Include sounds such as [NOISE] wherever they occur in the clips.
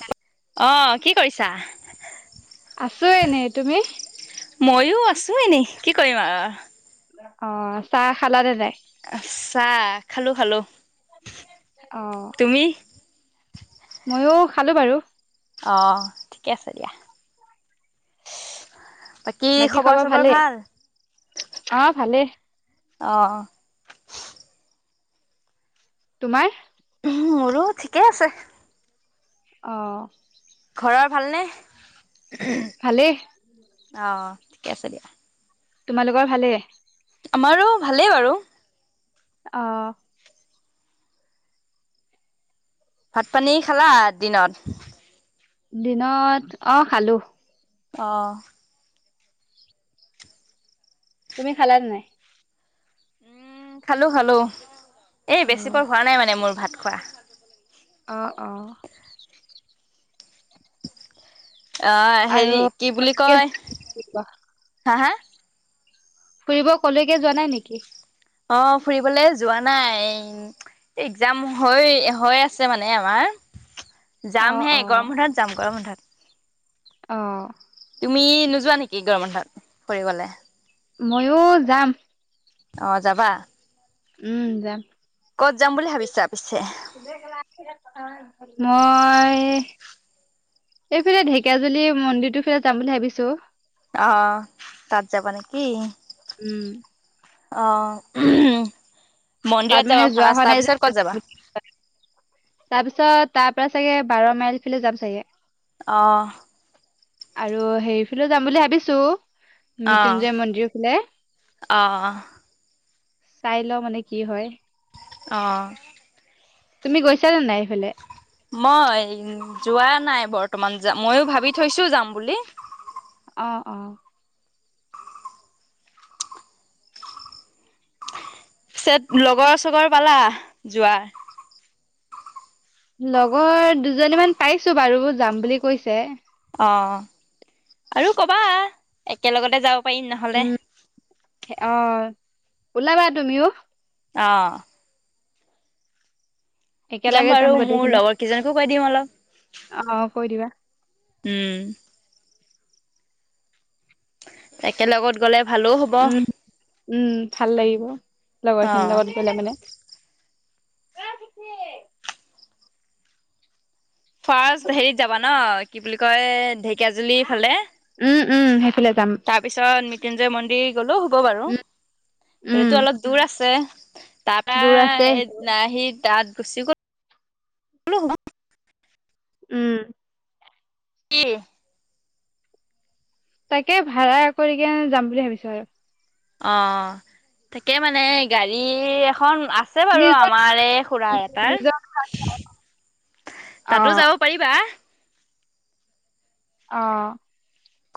হ অ কি কৰিছা আছো এনেই তুমি ময়ো আছো এনেই কি কৰিম আৰু অ চাহ খালাে নাই চাহ খালো খালো অ তুমি? মইো খালো বাৰু অ ঠিকে আছে দিয়া বাকী খবৰ চবৰ ভাল অ ভালেই অঁ তোমাৰ মোৰো ঠিকেই আছে অঁ ঘৰৰ ভালেই ভালনেে অ ঠিকে আছে দিয়া তোমালোকৰ ভালে আমাৰো ভালেই বাৰু অ ভাত পানী খালা দিনত দিনত অ' খালো। অ' তুমি খালা নাই। উম, খালো খালো এই অ বেছি পৰ হোৱা নাই মানে মোৰ ভাত খোৱা। অ' অ' অ' আৰু হেৰি কি বুলি তাকে কয় ফুৰিব হা হা। ফুৰিব ক'লৈকে যোৱা নাই নেকি অ ফুৰিবলে যোৱা নাই এক্জাম হৈ হৈ আছে মানে আমাৰ [INAUDIBLE] যাম হে অ গৰম বন্থত যাম গৰম বন্ধত অ তুমি নোযোৱা নেকি গৰ বন্ধত ফুৰিবলে মইয়ো যাম। অ' যাবা। উম, যাম। ক'ত যাম বুলি ভাবিছা আ পিছে। মই এইফালে ঢেকাজুলি মন্দিৰটোৰ ফালে যাম বুলি ভাবিছো। অহ তাত যাবা নেকি? উম। আহ তাত মানে যোৱা হোৱা নাই যে, তাৰপিছত তাৰ পৰা চাগে বাৰ মাইল ফে যাম চাগে। অহ আৰু হেইৰিফালে যাম বুলি ভাবিছো। অ মৃত্যুঞ্জয় মন্দিৰ ফালে অ চাই লওঁ মানে কি হয়। আহ। তুমি গৈছা নে নাই এইফালে। মই যোৱা নাই বৰ্তমান, মইো ভাবি থৈছো যাম বুলি। অ' অ' পিছেত লগৰ চগৰ পালা যোৱাৰ। লগৰ দুজনী মান পাইছো বাৰু যাম বুলি কৈছে। অ' আৰু কবা একেলগতে যাওঁক। উম, অ' ওলাবা তুমিও। অ'। যাম একেলগে বাৰু মোৰ গোটেইখিনি লগৰ কেইজনকো কৈ দিম অলপ। অ কৈ দিবা উম। একেলগত গ'লে ভালো হ'ব। উম উম, ভাল লাগিব লগৰ খিনিৰ অ', লগত গ'লে মানে। [UNINTELLIGIBLE] ফাৰ্ষ্ট হেৰিত যাবা ন কি বুলি কয়ে ঢে কিয়াজুলি ফালে উম উম সেইফালে যাম তাৰপিছত মৃত্যুঞ্জয় মন্দিৰ গলেও হ'ব বাৰু উম উম সেইতো অলপ দূৰ আছে। তাৰপৰা দূৰ আছে এই আহি তাত গুচি গ'লো। উম। কি? তাকে ভাড়া কৰিকে যাম বুলি ভাবিছো আৰু। অ' তাকে মানে গাড়ী এ এখন আছে বাৰু নিজৰ আমাৰ এই খুুৰাৰ এটাৰ নিজৰ অ তাতো যাব পাৰিবা। অ।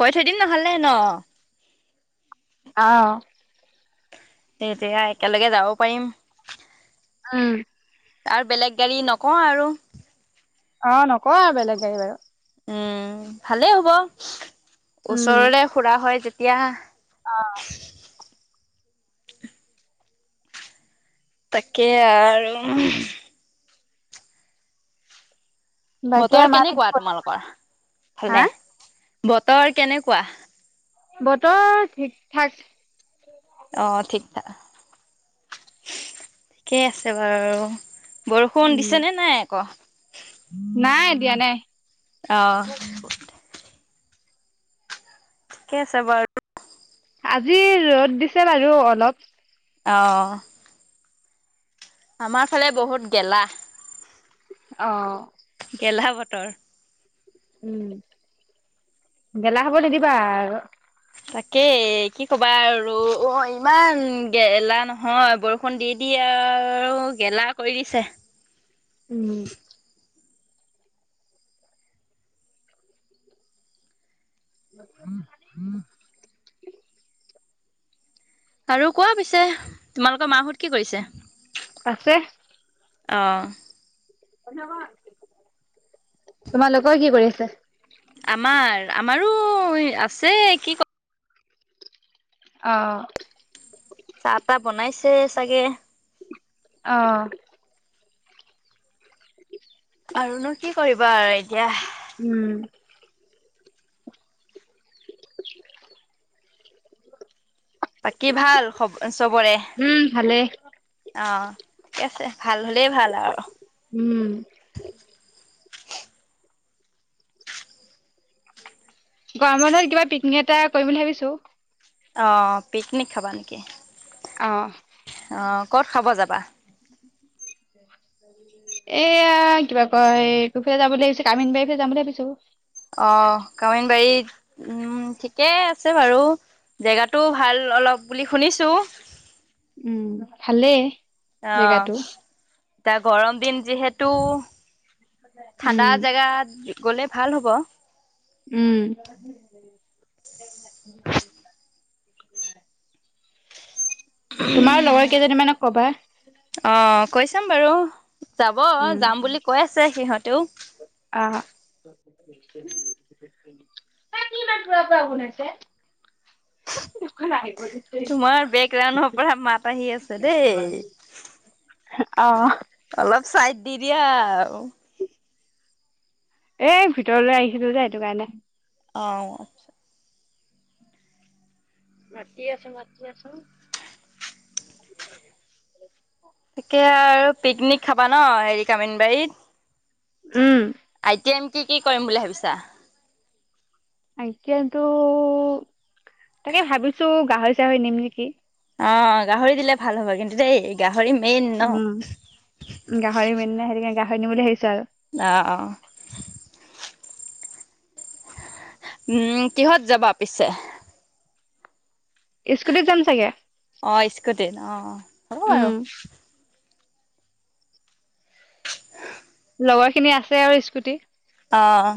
কৈ থৈ দিম নহলে ন। অহ। দে দে দেয়া একেলগে যাব পাৰিম। উম। আৰু বেলেগ গাড়ী নকওঁ আৰু অ' নকও আৰু বেলেগ গাড়ী বাৰু। উম, ভালেই হ'ব ওচৰলে খুৰা হয়, যেতিয়া অহ। তাকে আৰু বাকী আৰু বতৰ মা কি কেনেকুৱা কৰিছে তোমালোকৰ হা ফালে বতৰ কেনেকুৱা? বতৰ ঠিকঠাক অ ঠিকঠাক ঠিকেই আছে বাৰু। বৰষুণ উম দিছে নে নাই আকৌ? নাই দিয়া নাই। অহ। ঠিকে আছে বাৰু। আজি ৰ'দ দিছে বাৰু অলপ। অহ। আমাৰ ফালে বহুত গেলা। অহ। গেলাহ বতৰ। উম গেলা হব নিদিবা আৰু। তাকে কি কবা আৰু অ ইমান গেলা নহয় বৰষুণ দি দিয়ে। য়া আৰু গেলা কৰি দিছে। উম। [INAUDIBLE] আৰু কোৱা পিছে তোমালোকৰ মাহত কি কৰিছে? আছে। অহ। তোমালোকৰ কি কৰি আছে? আমাৰ আমাৰো আছে কি ক অহ। যে চাগে অ আৰুনো কি কৰিবা আৰু এতিয়া উম বাকী ভাল চবৰে উম, ভালেই অ ঠিকে আছে ভাল হলে ভাল আৰু উম, গৰমৰত কিবা পিকনিক এটা কৰিম বুলি ভাবিছো অ পিকনিক খাবা নেকি অ অ ক'ত খাব যা বৱাহ এয়া কিবা কয় এই কুফিয় যাব ভাবিছ কামিন বাৰীফে যাম বুলি ভাবিছো অ কামিন বাৰীত উম ঠিকেই আছে বাৰু জেগাতটো ভাল অলপ বুলি শুনিছো উম ভালে অ এা গৰম দিন যিহেতু উম ঠাণ্ডা জোগাত গ'লে ভাল হ'ব। উম তোমাৰ লগৰ কেইজনীমানক কবা উম। অ যাব। যাম বুলি কৈ আছে সিহঁতেও আহ ত কিাৰ পৰা শুন আছে [UNINTELLIGIBLE] তোমাৰ বেকগ্ৰাউডৰ পৰা মাত আহি আছে দেই। অ অলপ চাইড দি দিয়া। [INAUDIBLE] এ ভিতৰলৈ আহিছিলো যে এইটো কাৰণে অঁ আচছা মতিি আছো মতি আছো তাকে আৰু পিকনিক খাবা ন হেৰি কামিনবাৰীত উম আইটি এম কি কি কৰিম বুলি ভাবিছা আয়ো তাকে ভাবিছো গাহৰি চাহৰি নিম নেকি অ গাহৰি দিলে ভাল হ'ব কিন্তু দেই। গাহৰি মেইন ন। উম। গাহৰি মেইন নে সেইটো কাৰণে গাহৰি নিম বুলি ভাবিছো আৰু। আহ অ উম। কিহত যাবা পিছে? স্কুটিত যাম চাগে। অঁ উম হ'ব আৰু লগৰ খিনি আছে আৰু স্কুটি। অঁ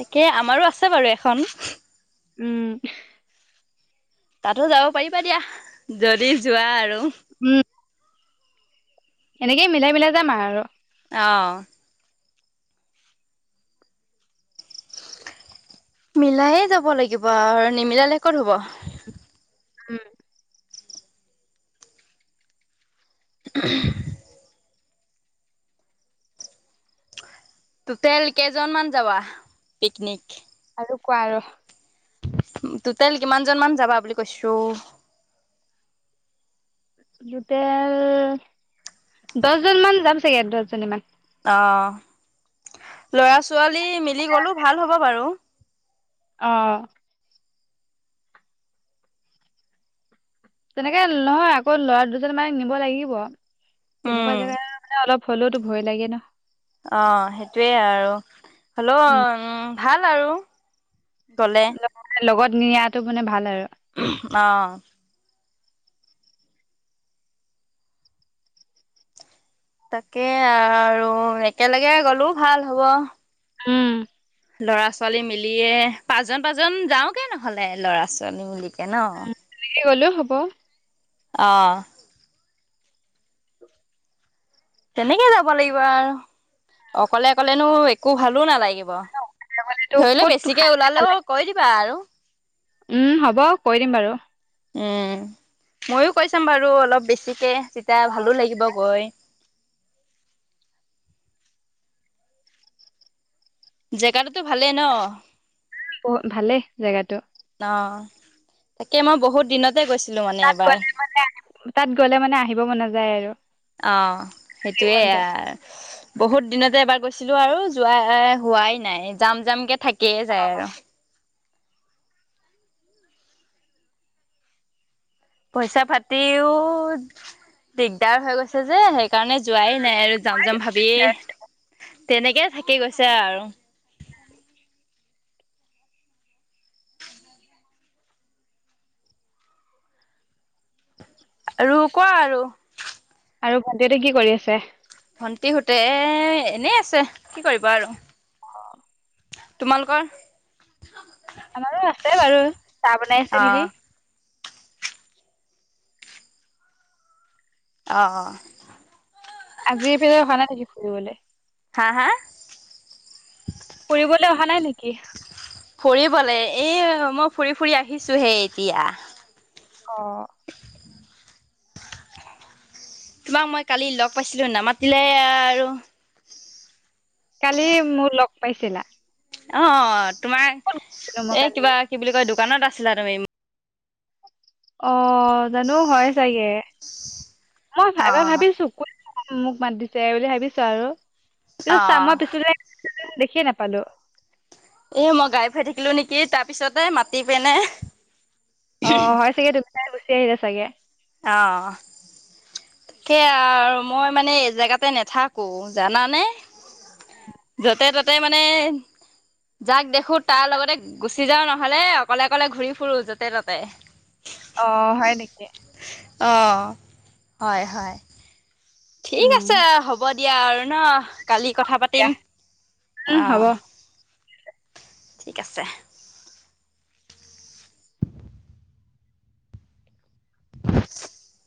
তাকে আমাৰো আছে বাৰু এখন। উম। তাতো যাব পাৰিবা দিয়া। যদি যোৱা আৰু উম। এনেকেই মিলাই মিলাই যাম আৰু অঁ মিলাইয়ে যাব লাগিব আৰু নিমিলালে ক'ত হ'ব। উম। [UNINTELLIGIBLE] টুটেল কেইজনমান যাবা পিকনিক? আৰু কোৱা আৰু। তোটাইল কিমানজন মান যাবা বুলি কৈছো? টোটেল দহজন মান যাম চাগে, দহজনী মান। অ। লৰা ছোৱালী মিলি গলো ভাল হ'ব বাৰু। অ তেনেকে নহয়। আকৌ লৰা দুজন মানে নিব লাগিব। তেনেকুৱা জেগা মানে অলপ হ'লেওতো ভয় লাগে ন। অ সেইটোৱে আৰু হ'লও উম, উ ভাল আৰু গলে লগত নিয়াতো মানে ভাল আৰু। অ। তাকে আৰু একেলগে গ'লোও ভাল হ'ব। উম। ল'ৰা ছোৱালী মিলিয়ে পাঁচজন পাঁচজন যাওগে নহ'লে। ল'ৰা ছোৱালী মিলি কে ন হেৰি গ'লেও হ'ব। আহ। তেনেকে যাব লাগিব আৰু অকলে অকলেনো একো ভালো নালাগিব। টো ধৰিলেও ক'ত খাই বেছিকে ভাল ওলালেও লাগে কৈ দিবা আৰু। উম, হ'ব কৈ দিম বাৰু। উম, ময়ো কৈ চাম বাৰু অলপ বেছিকৈ যেতিয়া ভালো অ লাগিব গৈ। জেগাটোতো ভালেই ন? বহ ভালেই জেগাতটো। অ', তাকে মই বহুত দিনতে গৈছো। তাত গ'লে, তাত গ'লে মানে আহিব মন যায় আৰু। অ থাকিব মন সেইটোৱে যায় বহুত দিনতে এবাৰ গৈছিলো আৰু যোৱা হোৱাই নাই, জাম জামকে থাকি একিকেইয় অ', যায় আৰু পইচা পাতিও দিগদাৰ হৈ গৈছে যে সেই সেইকাৰণে যোৱাই নাই আৰু যাম যাম ভাবিয়ে তেনেকেই থাকি গৈছে আৰু। আৰু কোৱা আৰু। আৰু ভন্তিহঁতে কি কৰি আছে? ভণ্টি হোতে এনেই আছে কি কৰিব আৰু। অ'। তোমালোকৰ? আমাৰো আছে বাৰু চাহ বনাই অ আছে নেকি! আহ। আজি এইফালে অহা নাই নেকি ফুৰিবলৈ? হা হা? ফুৰিবলৈ অহা নাই নেকি ফুৰিবলে এই মই ফুৰি ফুৰি আহিছো হে এতিয়া। অ'। তোমাক মই কালি লগ পাইছিলো নামাতিলে আৰু। কালি মোক লগ পাইছিলা? অ', তোমাৰ ক'ত গৈছিলো মই এ কালি কিবা কি বুলি কয় দোকানত আছিলা তুমি। অ', জানো হয় চাগে। মই অ এবাৰ ভাবিছো ক মোক মা দিছে এই বুলি ভাবিছো আৰু পিছত অ চাম মই পিছ দেখিয়ে নাপালো। এ মই গাই ফুৰাাই থাকিলো নেকি তাৰ পিছতে মাতি পিনে অ', হয় চাগে তুমি তাই গুচি আহিলা চাগে। আহ। তাকে আৰু মই মানে এই জেগাতে নাথাকো জানানে যতে ততে মানে যাক দেখো তাৰ লগতে গুচি যাও নহলে অকলে অকলে ঘূৰি ফুৰো যতে ততে অ' হয় নেকি অঁ হয় হয় ঠিক উম আছে হ'ব দে দিয়া আৰু ন কালি কথা পাতিম দিয়া উম অ হ'ব ঠিক আছে [INAUDIBLE]